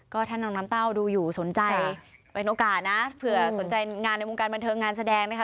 ก็ถ้าน้องน้ำเต้าดูอยู่สนใจเป็นโอกาสนะเผื่อสนใจงานในวงการบันเทิงงานแสดงนะคะ